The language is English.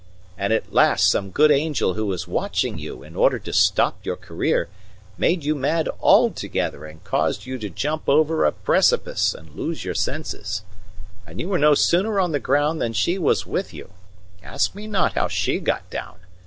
And at last some good angel who was watching you, in order to stop your career, made you mad altogether and caused you to jump over a precipice and lose your senses. And you were no sooner on the ground than she was with you ask me not how she got down!